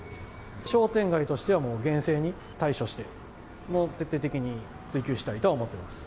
商店街としてはもう厳正に対処して、もう徹底的に追及したいとは思ってます。